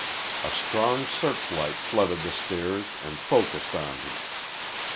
A strong searchlight flooded the stairs and focused on him.